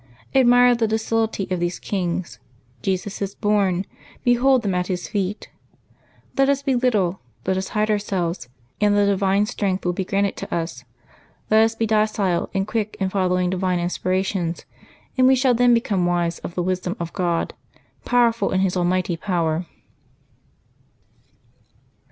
Admire the docility of these kings. Jesus is born ; behold them at His feet ! Let us be little, let us hide ourselves, and the divine strength will be granted to us. Let us be docile and quick in following divine inspirations, and we shall then become wise of the wisdom of God, powerful in His almighty power.